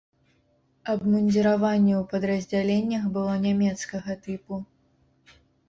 Абмундзіраванне ў падраздзяленнях было нямецкага тыпу.